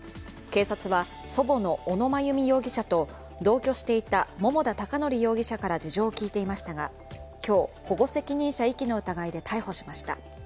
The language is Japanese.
警察は祖母の小野真由美容疑者と同居していた桃田貴徳容疑者から事情を聴いていましたが今日、保護責任者遺棄の疑いで逮捕しました。